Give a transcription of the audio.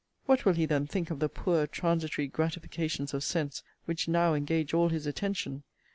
what will he then think of the poor transitory gratifications of sense, which now engage all his attention?